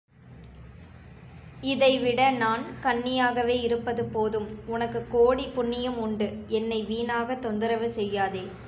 இதைவிட நான் கன்னியாகவே இருப்பது போதும் உனக்குக் கோடி புண்ணியம் உண்டு, என்னை வீணாகத் தொந்தரவு செய்யாதே.